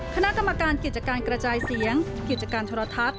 คณะกรรมการกิจการกระจายเสียงกิจการโทรทัศน